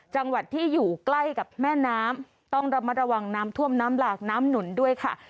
จังหวัดที่อยู่ใกล้กับแม่น้ำต้องระมัดระวังน้ำท่วมน้ำหลากน้ำหนุนด้วยค่ะ